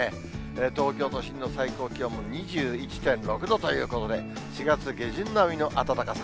東京都心の最高気温も２１．６度ということで、４月下旬並みの暖かさ。